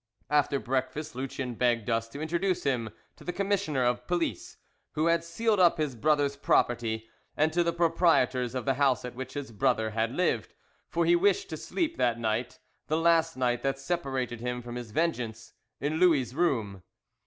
After breakfast Lucien begged us to introduce him to the Commissioner of Police, who had sealed up his brother's property, and to the proprietors of the house at which his brother had lived, for he wished to sleep that night, the last night that separated him from his vengeance, in Louis' room.